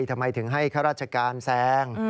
ทำไมถึงให้ข้าราชการแซง